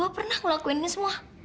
gue pernah ngelakuin ini semua